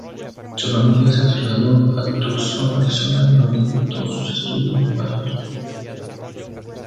Su familia se trasladó a Tucson, Arizona, donde efectuó sus estudios primarios.